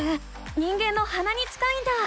人間のはなに近いんだ！